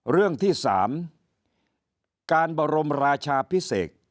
เรื่องที่๓การบรมราชาพิเศษ